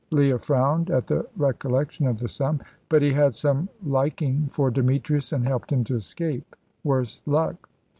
Leah frowned at the recollection of the sum. "But he had some liking for Demetrius, and helped him to escape, worse luck."